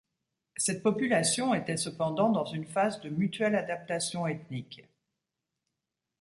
Cette population était cependant dans une phase de mutuelle adaptation ethnique.